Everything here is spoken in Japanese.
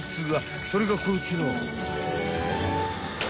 ［それがこちら］